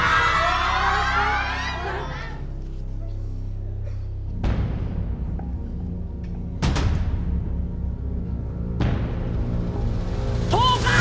กำลังไปเสริม